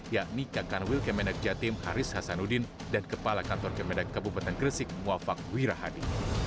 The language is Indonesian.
yakni kak kanwil kemenag jatim haris hasanuddin dan kepala kantor kementerian kabupaten gresik muafak wirahadi